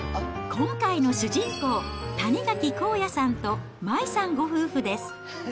今回の主人公、谷垣こうやさんと麻衣さんご夫婦です。